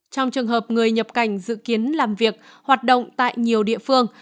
trong trường hợp người nhập cảnh dự kiến làm việc hoạt động tại nhiều địa phương